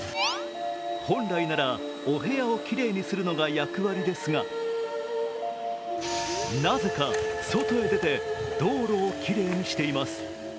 本来なら、お部屋をきれいにするのが役割ですがなぜか外へ出て、道路をきれいにしています。